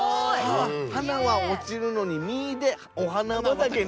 花は落ちるのに実でお花畑になる。